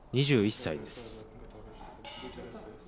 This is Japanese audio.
２１歳です。